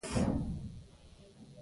احمد له علي سره خپله ځمکه بدله کړه.